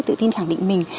tự tin khẳng định mình